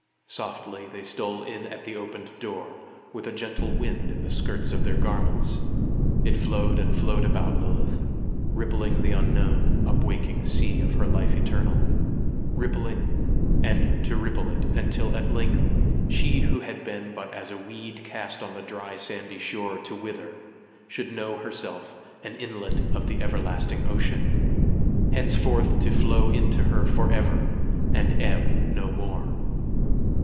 Softly they stole in at the opened door, with a gentle wind in the skirts of their garments. It flowed and flowed about Lilith, rippling the unknown, upwaking sea of her life eternal; rippling and to ripple it, until at length she who had been but as a weed cast on the dry sandy shore to wither, should know herself an inlet of the everlasting ocean, henceforth to flow into her for ever, and ebb no more.